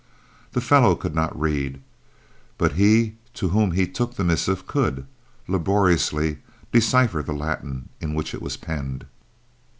The fellow could not read, but he to whom he took the missive could, laboriously, decipher the Latin in which it was penned.